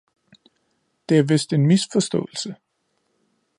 Det er vist en Misforstaaelse.